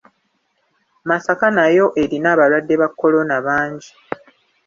Masaka nayo erina abalwadde ba kolona bangi.